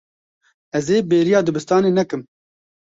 Ez ê bêriya dibistanê nekim.